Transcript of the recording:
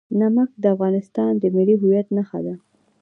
نمک د افغانستان د ملي هویت نښه ده.